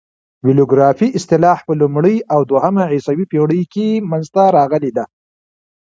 بیبلوګرافي اصطلاح په لومړۍ او دوهمه عیسوي پېړۍ کښي منځ ته راغلې ده.